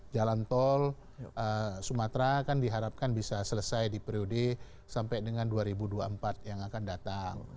jalan tol sumatera kan diharapkan bisa selesai di periode sampai dengan dua ribu dua puluh empat yang akan datang